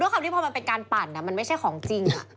คำที่พอมันเป็นการปั่นมันไม่ใช่ของจริง